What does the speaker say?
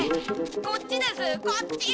こっちですこっち！